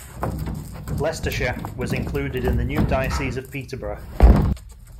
Leicestershire was included in the new Diocese of Peterborough.